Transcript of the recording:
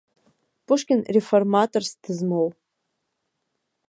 Пушкин реформаторс дызмоу.